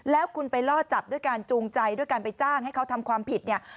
แล้วคุณไปล่อจับด้วยการจูงใจด้วยการไปจ้างให้เขาทำความผิดเนี่ย